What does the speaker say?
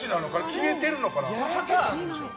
消えてるのか。